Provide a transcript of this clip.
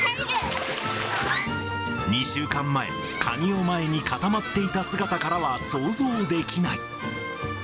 ２週間前、カニを前に固まっていた姿からは想像できない。